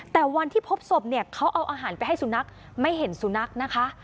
แต่วันที่พบศพเนี่ยเขาเอาอาหารไปให้สุนัขไม่เห็นสุนัขนะคะ